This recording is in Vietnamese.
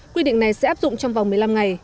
quy định này sẽ áp dụng trong vòng một mươi năm ngày